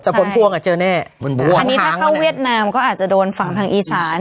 แต่ขนพวงอาจจะเจอนั่นแน่มันพุ่งภาคแม่วะดแหละเขาเวียสนามก็อาจจะโดนฝั่งทางอีสาน